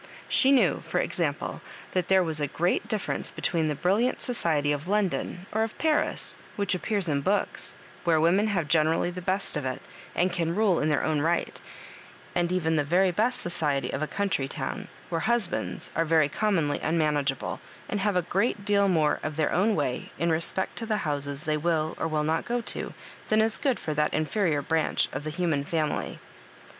She knew, for ex ample, that there was a great difference between the brilliant society of London, or of Paris, which appears in books, where women have generally the best of it, and can rule in theur own right ; and even the very best society of a country town, where husbands are very commonly un manageable, and have a great deal more of their own way in respect to the houses they will or will not go to than is good for that inferior branch of the human family.